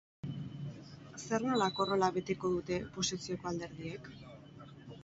Zer nolako rol-a beteko dute oposizioko alderdiek?